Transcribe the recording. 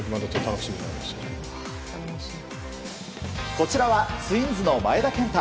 こちらはツインズの前田健太。